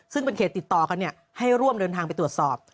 ซึ่งเป็นเขตติดต่อกันให้ร่วมเดินทางไปตรวจสอบ